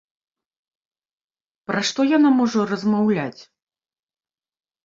Пра што яна можа размаўляць?